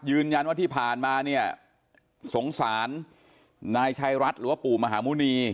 ยืนยันว่าที่ผ่านมาเนี่ยสงสารนายชัยรัฐหรือว่าปู่มหาหมุณี